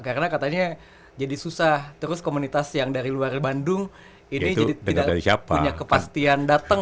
karena katanya jadi susah terus komunitas yang dari luar bandung ini jadi tidak punya kepastian datang